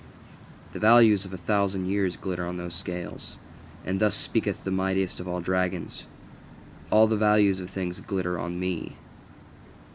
The values of a thousand years glitter on those scales, and thus speaketh the mightiest of all dragons: "All the values of things glitter on me.